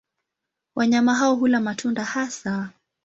Wanyama hao hula matunda hasa.